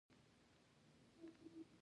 چې یو شمیر طبیعي او اسطوروي نښې